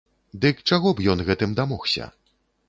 Дык чаго б ён гэтым дамогся?